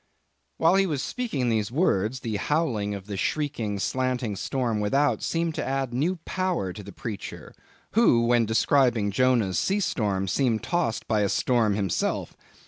While he was speaking these words, the howling of the shrieking, slanting storm without seemed to add new power to the preacher, who, when describing Jonah's sea storm, seemed tossed by a storm himself.